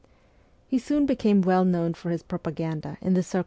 He soon became well known for his propaganda in the circles ST.